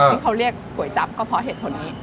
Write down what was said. ที่เขาเรียกก๋วยจับก็เพราะเหตุผลนี้